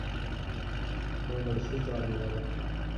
পাল কি আরো উঁচুতে তুলে দেবো?